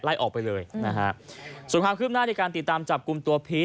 ไล่ออกไปเลยนะฮะส่วนข้างขึ้นหน้าในการติดตามจับกลุ่มตัวพิษ